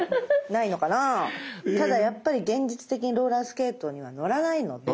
ただやっぱり現実的にローラースケートには乗らないので。